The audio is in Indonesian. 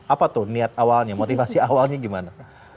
apa tuh niat awalnya motivasi awalnya gimana